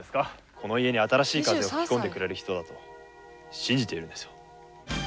この家に新しい風を吹き込んでくれる人だと信じているんですよ。